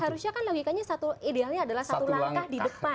nah itu satu harusnya kan logikanya satu idealnya adalah satu langkah di depan